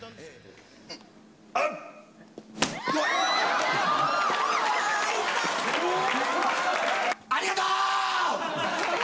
ありがとう。